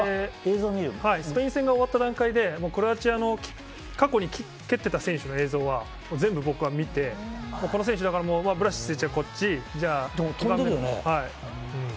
スペイン戦が終わった段階でクロアチアの過去に蹴っていた選手の映像を全部僕は見てこのヴラシッチ選手はこっちとか。